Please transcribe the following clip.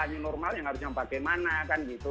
new normal yang harusnya bagaimana kan gitu